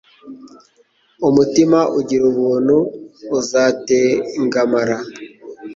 Umutima ugira ubuntu uzatengamara